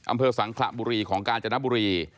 อำเภอสังขระบุรีของกาญจนบุรี